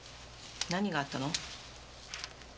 何があったの？